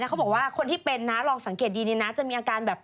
เขาบอกว่าคนที่เป็นนะลองสังเกตดีนี่นะจะมีอาการแบบ